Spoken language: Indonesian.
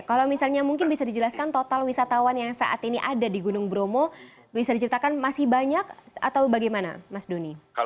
kalau misalnya mungkin bisa dijelaskan total wisatawan yang saat ini ada di gunung bromo bisa diceritakan masih banyak atau bagaimana mas doni